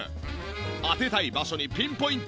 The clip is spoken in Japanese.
当てたい場所にピンポイント。